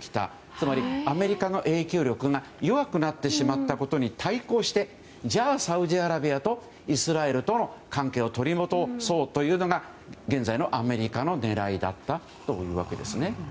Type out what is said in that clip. つまりアメリカの影響力が弱くなってしまったことに対抗して、サウジアラビアとイスラエルとの関係を取り戻そうというのが現在のアメリカの狙いだったというわけですね。